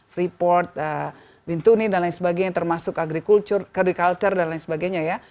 freeport bintuni dsb termasuk agriculture dan lain sebagainya ya